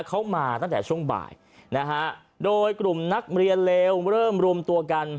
เขามาตั้งแต่ช่วงบ่ายนะฮะโดยกลุ่มนักเรียนเลวเริ่มรวมตัวกัน